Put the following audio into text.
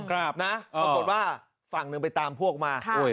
ครับนะอ๋อปรากฏว่าฝั่งหนึ่งไปตามพวกมาค่ะโอ้ย